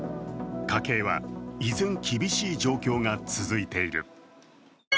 家計は依然、厳しい状況が続いている。